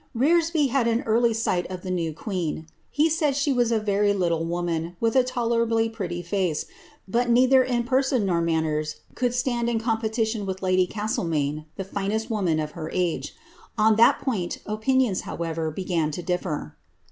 Rcrcsby had an early sight of the new queen ; he said she was a vny little woman, with a tolerably pretty face, but neither in person nor mao ners could stand in competition with lady Castleniaine, the finest wonno of her age. On that point opinions, however, began to dififer.